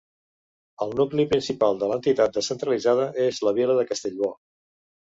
El nucli principal de l'entitat descentralitzada és la vila de Castellbò.